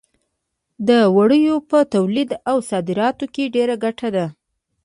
د وړیو په تولید او صادراتو کې ډېره ګټه ده.